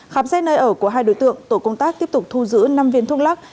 khám xét nơi ở của hai đối tượng tổ công tác tiếp tục thu giữ năm viên thuốc lắc